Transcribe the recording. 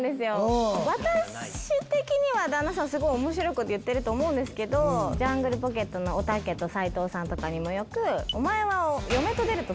私的に旦那さんおもしろいこと言ってると思うんですけどジャングルポケットのおたけと斉藤さんとかに。